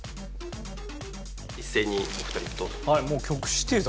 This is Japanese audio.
一斉にお二人どうぞ。